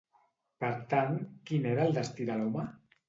Per tant, quin era el destí de l'home?